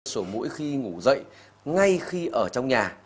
sổ mũi khi ngủ dậy ngay khi ở trong nhà